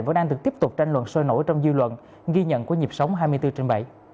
vẫn đang được tiếp tục tranh luận sôi nổi trong dư luận ghi nhận của nhịp sống hai mươi bốn trên bảy